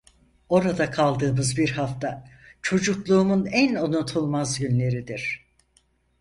Orada kaldığımız bir hafta, çocukluğumun en unutulmaz günleridir.